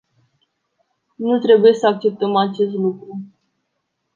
Nu trebuie să acceptăm acest lucru.